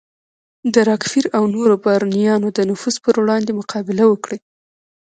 د راکفیلر او نورو بارونیانو د نفوذ پر وړاندې مقابله وکړي.